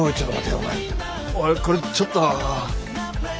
おいこれちょっと。